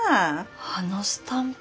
あのスタンプ。